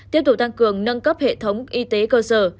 tiếp tục tăng cường nâng cấp hệ thống y tế cơ sở